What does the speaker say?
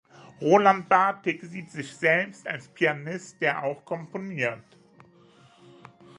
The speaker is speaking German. Roland Batik sieht sich selbst als Pianist, der auch komponiert.